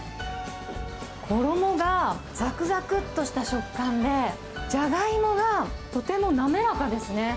衣がざくざくっとした食感で、じゃがいもがとても滑らかですね。